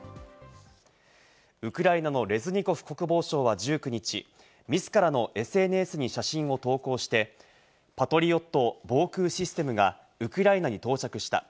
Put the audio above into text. ウクライナのレズニコフ国防相は１９日、自らのＳＮＳに写真を投稿して、パトリオット防空システムがウクライナに到着した。